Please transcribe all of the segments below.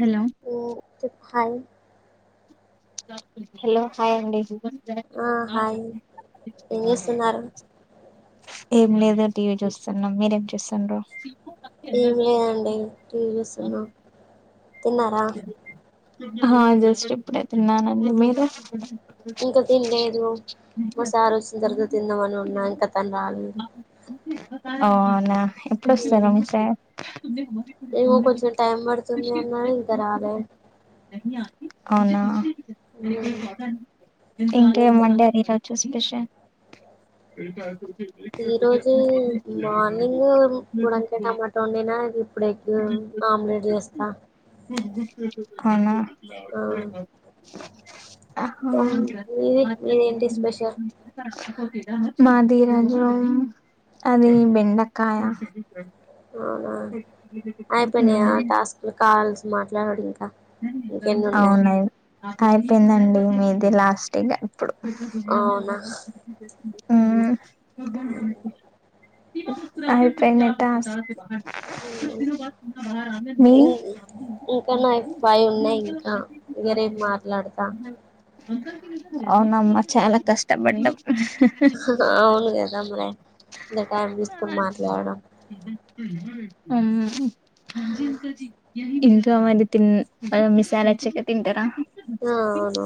Hello ఉ చెప్పు hi hello hi అండి ఆ హాయ్ ఏం చేస్తున్నారు ఏం లేదే టీవీ చూస్తున్నాం మీరేం చేస్తుండ్రు ఏం లేదండి చూస్తున్నా తిన్నారా హా జస్ట్ ఇప్పుడే తిన్నానే మీరు ఇంకా తినలేదు మా సారు వచ్చిన తర్వాత తిందామని ఉన్నా ఇంకా తను రాలేదు ఓనా ఎప్పుడు ఉమ్, సరం సార్ ఏమో కొంచెం టైం పడుతుంది అన్నాడు ఇంకా రాలే అవునా ఉమ్, ఇంకే ఇంకా మండే అది రాచ్చు పచ్చో ఈ రోజు మార్నింగ్ బుడకాయ టమాటా వండినా ఇప్పుడుెక్కు ఆమ్లెట్ చేస్తా అవునా ఆ ఆహా మీది మీదేంటి స్పెషల్ మాది ఈరోజు అది బెండకాయ అవునా అయిపోయినా టాస్క్లు కాల్స్ మాట్లాడడి అవునాయి అయిపోయిందండి మీది లాస్ట్గా ఇప్పుడు వస దునియా అవునా ఆ ఆ అవి పెండేటస్ మీ ఇ ఇంకా నా ఫై ఫై ఉన్నాయి ఇంకా ఇగ రేపు మాట్లాడుతా అవునమ్మ చాలా కష్ట బండం అవును కదా మరి ఇంత టైం తీసుకుని మాట్లాడడం ఉహు ఉహు అజీ అంకాజీ ఇంకా మరి తిన్ [unintelligible] మీసాల చికెన్ తింటరా ఆ అవును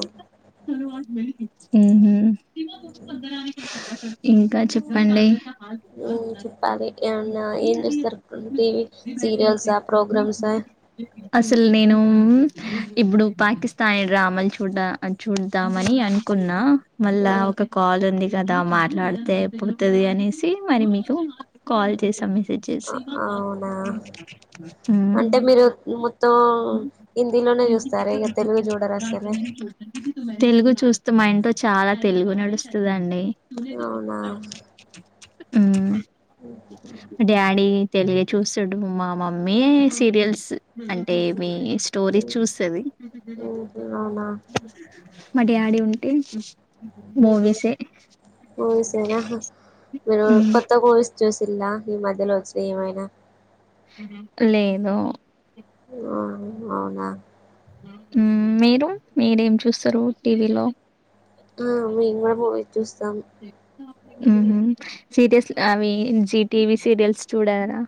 ఉహు [unintelligible] ఇంకా చెప్పండి ఉ చెప్పాలి ఏమన్నా ఏం చుస్తారు అ టీవీ సీరియల్సా ప్రోగ్రామ్సా నేనూ ఇప్పుడు పాకిస్తానీ డ్రామాలు చూడ చూద్దామని అనుకున్నా ఆ, మళ్ళా ఒక కాల్ ఉంది కదా మాట్లాడితే పోతది అనేసి మరి మీకు కాల్ చేసాం ఆ, అవునా [unintelligible] హమ్ అంటే మీరు మొత్తం హిందీలోనే చూస్తారా ఇక తెలుగు చూడరు అసలే తెలుగు చూస్తాం మా ఇంట్లో చాలా తెలుగు నడుస్తదండి అవునా డ్యాడి తెలిగే చూస్తడు మా మమ్మీ సీరియల్స్ అంటే మీ స్టోరీస్ ఉమ్, చూస్తది ఉమ్, అవునా మా డ్యాడి ఉన్ [unintelligible] ఉహు పోయిసేనా మీరు మ్మ్. కొత్త మూవీస్ చూస్ తిల్లా ఈ మధ్యలో వచ్చినాయి ఏమైనా లేదు ఆ అవునా ఉమ్ మీరు మీరేం చూస్తరు టీవీలో ఆ మీ మనము ఉహు సీరియల్స్ అవి జిటివీ సీరియల్స్ చూడారా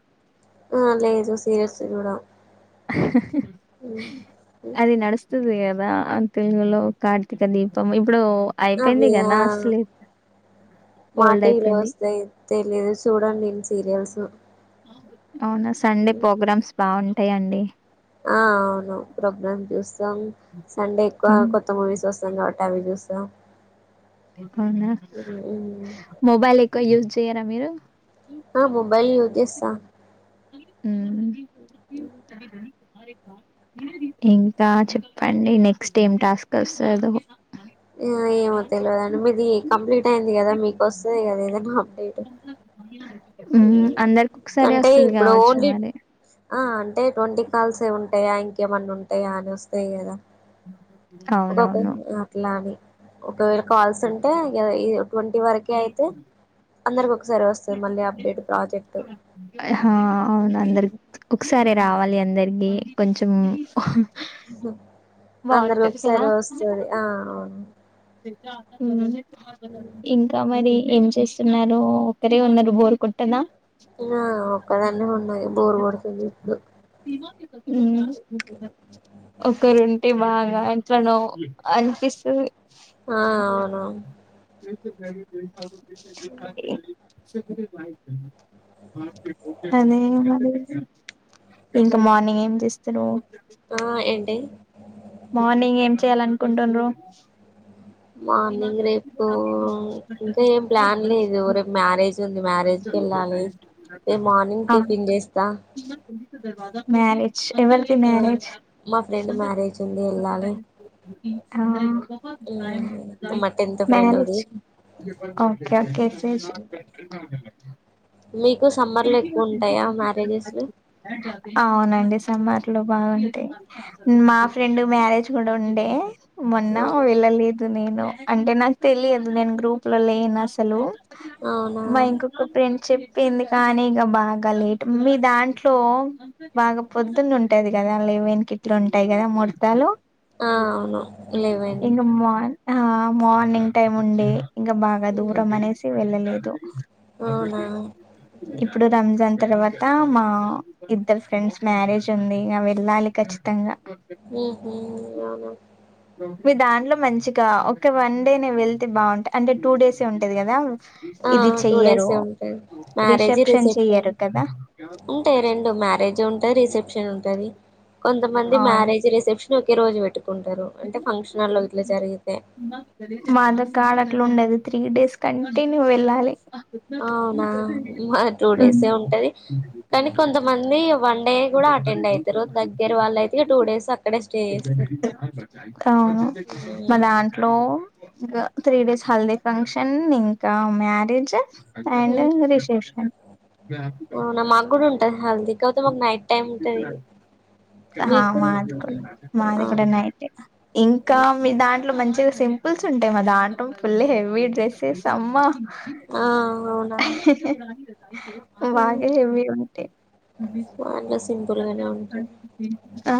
ఆ లేదు సీరియల్స్ చూడ అది నడుస్ తుది కదా ఆ తెలుగులో కార్తీక దీపం ఇప్ ప్పుడు అవి అయిపోయింది ఆ కదా అసలు ఓల్డ్ అయిపోయింది తెలియదు సుడాన్ నేను సీరియల్స్ [inaudible] అవునా సండే హ్మ్. పోగ్రామ్స్ బాగుంటాయండి ఆ అవును ప్రోగ్రామ్ చూస్తాం సండే ఎక్కువ హ్మ్. కొత్త మూవీస్ వస్తాం కాబట్టి అవి చూస్తాం దా అవునా మొబైల్ ఎక్ కే యూజ్ చేయ్యార మీరు ఆ మొబైల్ యూజ్ చేస్తా హ్మ్. మ్మ్ హ్మ్ ఇంకా చెప్పండి నెక్స్ట్ ఏం టాస్క్ వస్తదో. ఆ ఏమో తెల్వదండి మీది ఎక్ కంప్లీట్ అయింది కదా మీకు వస్తది కదా ఏదన్నా అప్డేట్. మ్మ్ హ్మ్. అందరికి ఒకసారి అంటే వస్తది ఇప్పుడు కావచ్చు ఓన్లీ మరి ఆ అంటే ట్వంటీ కాల్స్ ఏ ఉంటాయా ఇంకేమన్న ఉంటాయా అని ఒస్తయి కదా ఒకొక్క అవునవును అట్లా అని ఒకవేళ కాల్స్ ఉంటే ఇ ట్వంటీ వరకే అయితే అందరికి ఒకసారి వస్తయి మళ్ళీ అబ్. ఆ అవును అందరి ఒకసారిే హ్మ్. రావాలి అందరికి. కొంచెం అందరు బాగుంటది కదా ఒకసారి ఒస్తది ఆ అవును మ్మ్ ఇంకా మరి ఏం చే చేస్తున్నారు ఒకరే ఉన్నారు బోరు కొట్టదా నా ఒక్కదన్నే ఉన్నాయి బోర్ కొడుతుంది ఇప్పుడు. మ్మ్ [inaudible] ఒకరుంటే బాగా ఎట్లానో అనిపిస్తు ఆ అవునవును తీర్చే [unintelligible] ఏం కాదు ఏ అదే మరి ఇంకా మార్నింగ్ ఏం చేస్తాడూ ఆ ఏంటి? మార్నింగ్ ఏం చెయాలనుకుంటుండ్రు మార్నింగ్ రేపు ఇంకా ఏం ప్లాన్ లేదు రేపు మ్యారేజ్ ఉంది మ్యారేజ్కి వెళ్ళాలి రేపు మార్నింగ్ ఆహా టిఫిన్ చేస్తా మ్యారేజ్ ఎవర్ది ఆ మ్యారేజ్ మా ఫ్రెండ్ మ్యారేజ్ ఉంది వెళ్ళాలి ఆ ఉమ్ మా టెన్త్ ఫ్రెండ్ది మ్యారేజ్ ఓకే ఓకే చేస్ మీకు సమ్మర్ లో ఎక్కువ ఉంటాయా మ్యారేజెస్ అవునండి సమ్మార్ ఇట్లో బాగుంటయి మా ఫ్రెండ్ మ్యారేజ్ గుడ ఉండే. మొన్న అవు వెళ్ళలేదు ద నేను అంటే నాకు తెలియదు నేను గ్రూప్ లో లేను అసలు. అవునా మ ఇంకోక ఫ్రెండ్‌ చెప్ పింది కానీ ఇక బాగా లేట్ మీ దాంట్లో బాగా పొద్దున్న ఉంటది కదా లేవన్కిట్ల ఉంటది కదా ముర్తాలు ఆ అవును లెవెన్ ఇంగ మాన్ ఆ మార్నింగ్ టైమ్ ఉండే ఇంగా బాగా దూరం అనేసి వెళ్ళలేదు ద అవునా ఇప్పుడు రంజాన్ తర్వా అ మా ఇద్దరు ఫ్రెండ్స్ మ్యారేజ్ ఉంది ఇగ వెళ్ళాలి ఖచ్చితంగా ఉహు నియవ మీ దాంట్లో మంచి. కా ఒక వన్ డే నే వెళ్తే బాగుంటది అంటే టూ డేసే ఉంటది కదా ఆ ఇది టూ చెయ్యరు డేసే ఉంటది మ్యారేజ్ రిసెప్షన్ చెయ్యరు కదా ఉంటయి రెండు మ్యారేజ్ ఉంటది రిసెప్షన్ ఉంటది కొంతమంది అవును మ్యారేజ్ రిసెప్షన్ ఓకె ఈరోజు పెట్టు కుంటారు అంటే ఫంక్షన్హాల్‌లో ఈట్లా జరిగితే. మాద కాడ అట్ల ఉండది త్రీ డేస్ కంటిన్యూ వెళ్ళాలి అవునా మా టూ డేసే ఉంటది కానీ కొంతమంది వన్ డే కూడా అటెండ్ అయితారు దగ్గర వాళ్ళు అయితే ఇగ టూ డేస్ అక్కడే స్టే చేస్తరు. ఇగ త్రీ డేస్ హల్ది ఫంక్షన్ ఇంకా మ్యారేజ్ ఐండు హ్మ్. రిసప్షన్ కపోతే మకు నైట్ టైమ్ ఉంటది హా మీకు? మాది కూడా, మాది ఆ! కూడా నైట్, ఇంకా హ్మ్. మీ దాంట్లో మంచిగా సింపుల్స్ ఉంటాయి మా దాంటా ఫుల్ హెవీ డ్రెస్సెస్ అమ్మ ఆ! అవునా! హ్మ్. బాగా హేవి ఉంటే మా దాంట్లో సింపుల్‌గానే ఉంటది. హా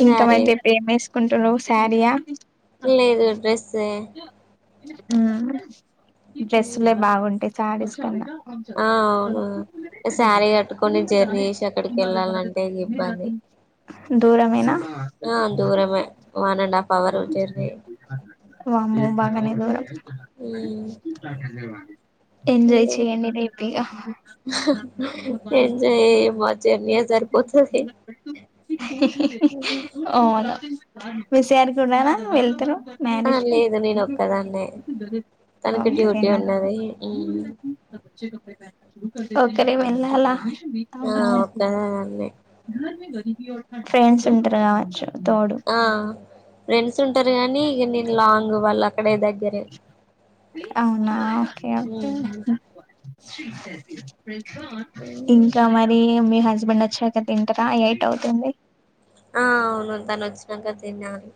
సారీ ఇంకమైతే పేమస్ కుంటునవు శారీ ఆ లేదు డ్రెస్సే మ్ డ్రెస్సులే బాగుంటాయి సారీస్ అవునా ఆ అవును సారీ కట్టుకొని జర్నీ చేసి అక్కడికి ఎళ్ళాలంటే ఇబ్బంది దూరమేనా ఆ దూరమే one and half hour journey వామ్మో బాగనే దూరం హ్మ్ ఎంజోయ్ చేయండి రేపు ఇగ ఎంజాయ్ ఏమో జర్నీయే సరిపోతది. అవును విసయన్ కూడానా వెళ్తరు ఆ లేదు నేను ఒక్కదాన్నే తనకి డ్యూటీ ఒక్కరేనా ఉన్నది. ఒకరే వెళ్ళాలా ఆ అమ్మో ఒక్క దాన్నే [inaudible] ఫ్రెండ్స్ ఉంటారు కావచ్చు తోడు ఇగ నేన్ లాంగ్ వాల్ అక్కడే దగ్గరే అవునా ఓకే ఓకే హ్మ్ ఇంకా మరి మీ హస్బెండ్ వచ్చాక తింటరా ఎయిట్ అవుతుంది. ఆ అవును తను వచ్చినాక తినాలి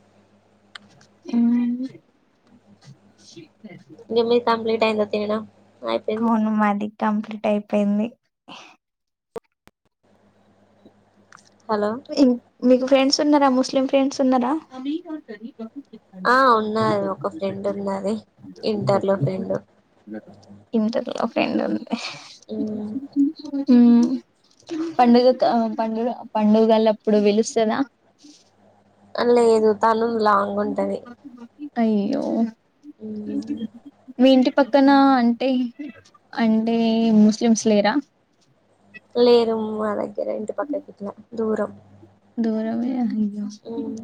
హ్ నిమ్మి ఫ్యామిలీ [unintelligible] అవును మరి కంప్లీట్ అయిపోయింది. హలో మీకు ఫ్రెండ్స్ ఉన్నరా ముస్లిం ఫ్రెండ్స్ ఉన్నరా ఆ ఉన్నరూ ఒక ఫ్రెండ్ ఉన్నది ఇంటర్లో ఫ్రెండ్ ఇంటర్ లో ఫ్రెండ్ ఉంది ఉమ్, [inaudible] హ్మ్ పండుగక పండుగ పండుగలప్పుడు విలుస్తదా లేదు తను లాంగ్ ఉంటది. అయ్యయో ఉమ్ పక్కన అంటే అంటే ముస్లిమ్స్ లేరా లేరు మా దగ్గర ఇంటి పక్క కట్ల దూరం దోరవ అయ్యో ఉమ్,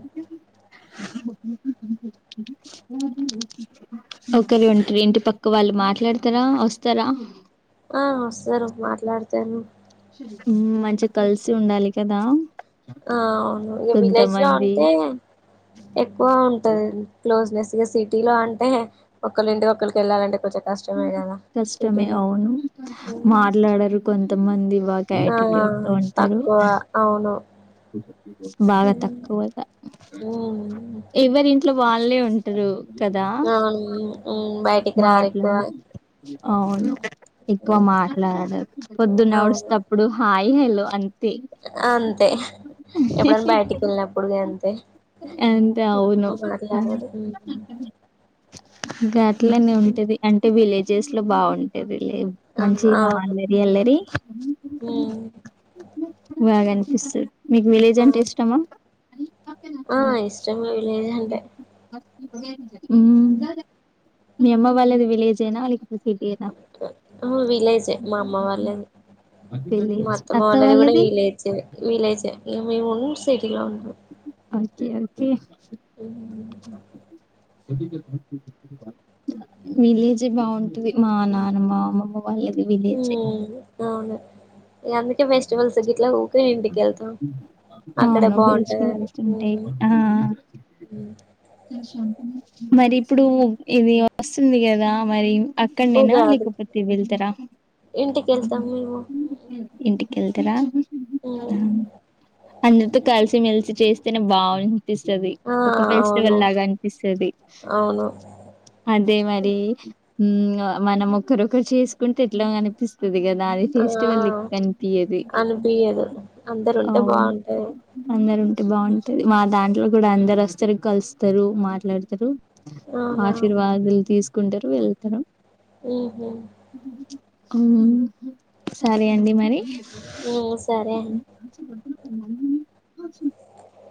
ఒకరు ఉంటరు ఇంటి పక్క వాళ్ళు మాట్లాడతారా వస్తారా ఆ వస్తారు మాట్లాడుత తరు ఉమ్ మంచిగా కలిసి ఉండాలి కదా అ అవును ఇక విలేజ్ లో కొంతమంది అంటే ఎక్కువ ఉంటది క్లోజ్నెస్ ఇక సిటీ లో అంటే ఒక్కళ్ళింటికి ఒక్కళ్లు వెళ్ళాలంటె కష్టమే అవును మాట్లాడరు కొంత మంది ల లా ఆ తక్కువ అవును బాగా హ్మ్. తక్కువగా హ్మ్. ఎవరిమ్ ఇట్లు వాళ్ళే ఉంటారు కదా అవును హ్మ్. బయటికి రారు ఎక్కువ మాట్లాడ అవును ఎక్కువ మాట్లాడదు పొద్దు అవును నడుసటప్పుడు హాయ్ ఈ హఆమ్ అంతే ఎప్పుడైనా బయటికి వెళ్ళినప్పుడుగా అంతే అంతే అవును గట్ అట్లనే ఉంటది అంటే విలేజ్ చేస్ లో బాగుంటేది ఆ మంచి అవును అల్లరి అల్లరి హ్మ్. బాగా సర్ మీకు విలేజ్ అంటే ఇష్టమా ఆ ఇష్టమే విలేజ్ అంటే విలేజ్ ఆ హ్మ్. ఉమ్మ్ మీ అమ్మ వాళ్ళది విలేజ్ ఆ లేక ఆ విలేజే మా అమ్మ వాళ్ళది మా విలేజ్ అత్తమ్మ అత్త వాళ్ళది కూడా విలేజ్ ఏ విలేజే ఇమే ఒన్ స ఇలా ఉన్నా ఏంటీ ఊ ఉ విలేజీ బావుంటది మా నానమ్మా అమ్మమ్మ వాళ్ళది విలేజే హ్మ్ అవును ఇగ అందుకే ఫెస్టివల్స్ గిట్లా ఊక ఇంటికెళ్తాం అక్కడ అవును బాగుంటదని వెజిటేబుల్స్ ఉంటాయి ఆ మరి ఇప్పుడు ఇది వస్తుంది కదా మరీ అక్కడ్నేనా ఉగాది లేకపోతే వెళ్తరా ఇంటికెళ్తాం మేము ఇంటికెళ్తరా [inaudible] హ్మ్ అందరితో కలిసిమెలిసి చేస్తేనే బాగుం అనిపిస్తది ఆ ఒక ఫెస్టివల్ అవును లాగా అనిపిస్తది హు అవును మనం ఒకరొకరు చేసుకుంటే ఎట్లా కనిపిస్తుం దిగా ఆది ఆ ఫేస్టివల్లీ అనిపియదు అందరు ఉంటే అవును బాగుంటది అందరు ఉంటే బాగుంటది మా దాంట్లో కూడా అందరు వస్తారు కలుస్తారు మాట్లాడతారు అవునా ఆశీర్వాదులు తీసు కుంటారు వెళ్తారం ఆహ ఉమ్ రే అండి మరి హ్మ్ సరే అండి